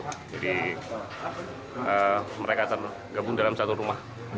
jadi mereka gabung dalam satu rumah